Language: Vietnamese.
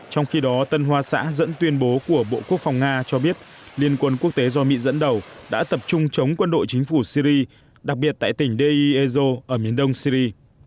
trong khi đó tân hoa xã dẫn tuyên bố của bộ quốc phòng nga cho biết liên quân quốc tế do mỹ dẫn đầu đã tập trung chống quân đội chính phủ syri đặc biệt tại tỉnh dei ezo ở miền đông syri